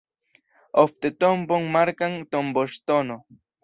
Ofte tombon markas tomboŝtono.